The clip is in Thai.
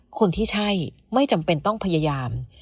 คนที่ใช่ไม่จำเป็นต้องพยายาม